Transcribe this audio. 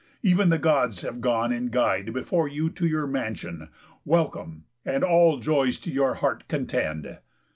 Ev'n the Gods have gone In guide before you to your mansión. Welcome, and all joys to your heart contend.